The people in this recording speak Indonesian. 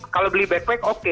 kalau beli backpack oke